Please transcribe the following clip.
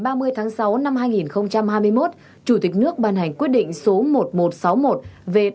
ngày ba mươi tháng sáu năm hai nghìn hai mươi một chủ tịch nước ban hành quyết định số một nghìn một trăm sáu mươi một về